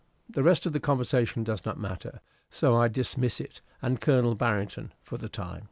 The rest of the conversation does not matter, so I dismiss it and Colonel Barrington for the time.